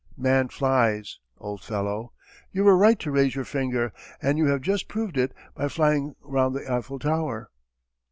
'Man flies!' old fellow! You were right to raise your finger, and you have just proved it by flying round the Eiffel Tower.